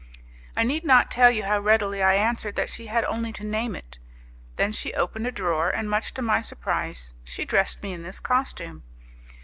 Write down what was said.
I need not tell you how readily I answered that she had only to name it. Then she opened a drawer, and much to my surprise she dressed me in this costume.